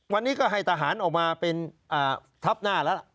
วันนี้ก็ให้ทหารออกมาเป็นทับหน้าแล้วล่ะ